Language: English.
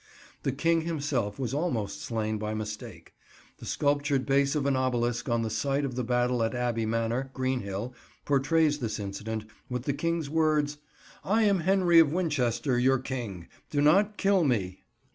The King himself was almost slain by mistake. The sculptured base of an obelisk on the site of the battle at Abbey Manor, Greenhill, portrays this incident, with the King's words, "I am Henry of Winchester, your King. Do not kill me."